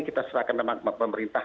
kita silahkan pemerintah